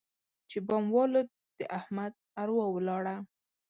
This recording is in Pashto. چې بم والوت؛ د احمد اروا ولاړه.